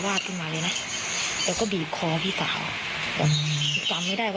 บางทีพันธาใหญ่แกจะอาราวาชเข้ามาเลยนะ